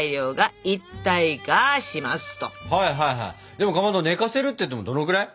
でもかまど寝かせるっていってもどのぐらい？